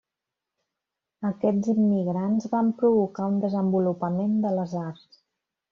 Aquests immigrants van provocar un desenvolupament de les arts.